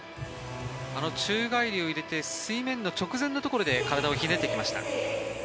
宙返りを入れて水面の直前のところで体をひねってきました。